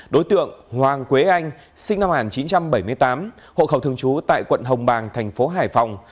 đối tượng hoàng quế anh sinh năm một nghìn chín trăm bảy mươi tám hộ khẩu thường trú tại quận hồng bàng thành phố hải phòng